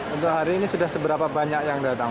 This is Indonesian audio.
untuk hari ini sudah seberapa banyak yang datang